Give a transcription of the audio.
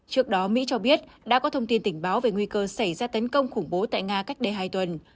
trước đó mỹ cho biết đã có thông tin tình báo về nguy cơ xảy ra tấn công khủng bố tại nga cách đây hai tuần